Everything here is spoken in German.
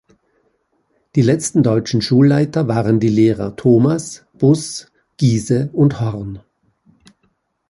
Die letzten deutschen Schulleiter waren die Lehrer "Thomas, Buss, Giese" und "Horn".